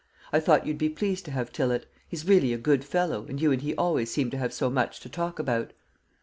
I thought you'd be pleased to have Tillott. He's really a good fellow, and you and he always seem to have so much to talk about."